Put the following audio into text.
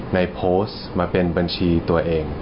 ในโพสต์มาเป็นบัญชีตัวเอง